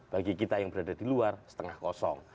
bagi kita yang berada di luar setengah kosong